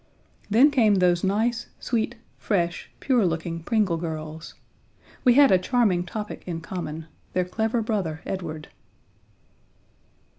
Then came those nice, sweet, fresh, pure looking Pringle girls. We had a charming topic in common their clever brother Edward.